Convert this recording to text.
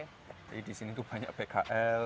jadi di sini tuh banyak bkl